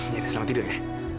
ya udah selamat tidur ya